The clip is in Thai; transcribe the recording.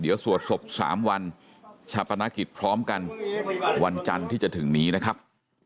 เดี๋ยวสวดศพ๓วันชาปนกิจพร้อมกันวันจันทร์ที่จะถึงนี้นะครับ